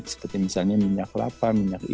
seperti misalnya minyak lapa